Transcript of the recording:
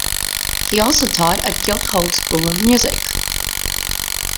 He also taught at Guildhall School of Music.